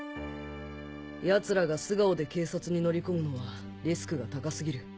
ヤツらが素顔で警察に乗り込むのはリスクが高過ぎる。